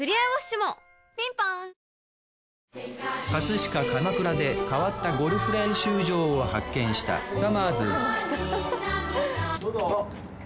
飾鎌倉で変わったゴルフ練習場を発見したさまぁずどうぞ。